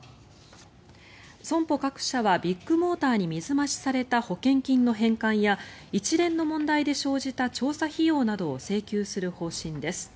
損保各社はビッグモーターに水増しされた保険金の返還や一連の問題で生じた調査費用などを請求する方針です。